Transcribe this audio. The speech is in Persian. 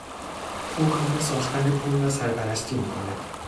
او کار ساختن پل را سرپرستی میکند.